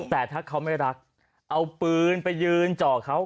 แต่ถ้าเขาไม่รักเอาปืนไปยืนจ่อเขา